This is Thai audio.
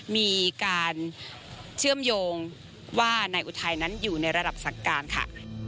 มีการเชื่อมโยงว่านายอุทัยนั้นอยู่ในระดับศักดิ์การค่ะ